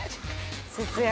節約。